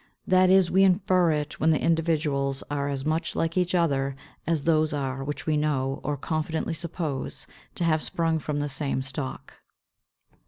That is, we infer it when the individuals are as much like each other as those are which we know, or confidently suppose, to have sprung from the same stock.